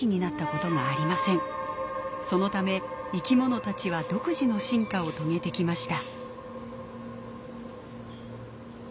そのため生きものたちは独自の進化を遂げてきました。